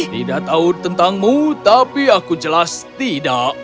tidak tahu tentangmu tapi aku jelas tidak